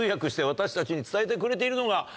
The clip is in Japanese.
私たちに伝えてくれているのが。